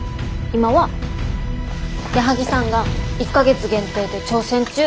今は矢作さんが１か月限定で挑戦中。